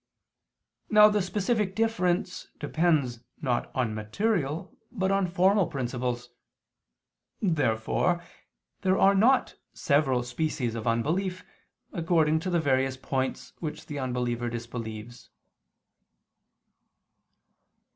Now the specific difference depends not on material but on formal principles. Therefore there are not several species of unbelief, according to the various points which the unbeliever disbelieves.